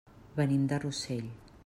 Venim de Rossell.